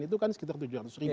itu kan sekitar tujuh ratus ribu